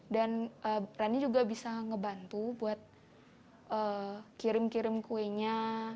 rani juga bisa ngebantu buat kirim kirim kuenya